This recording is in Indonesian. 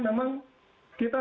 makanya memang kita tujuan